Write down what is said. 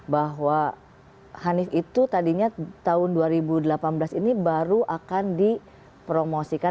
bahwa hanif itu tadinya tahun dua ribu delapan belas ini baru akan dipromosikan